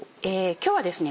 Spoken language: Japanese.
今日はですね